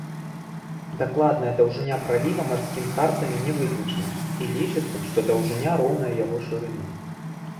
Дакладная даўжыня праліва марскім картамі не вызначана і лічыцца, што даўжыня роўная яго шырыні.